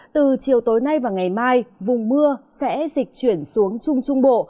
từ chiều tối nay và ngày mai vùng mưa sẽ dịch chuyển xuống trung trung bộ